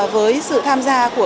với sự tham gia của